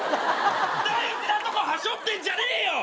大事なとこはしょってんじゃねえよ！